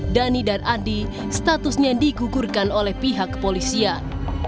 dhani dan andi statusnya digugurkan oleh pihak kepolisian